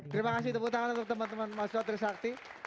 terima kasih tepuk tangan untuk teman teman mahasiswa trisakti